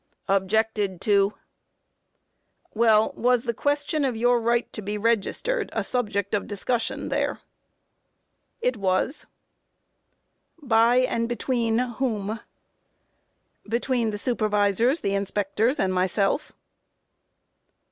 Objected to. Q. Well, was the question of your right to be registered a subject of discussion there? A. It was. Q. By and between whom? A. Between the supervisors, the inspectors, and myself.